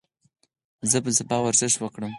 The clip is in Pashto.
زه به سبا ورزش وکړم.